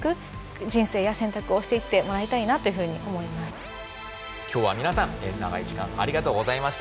その時には是非今日は皆さん長い時間ありがとうございました。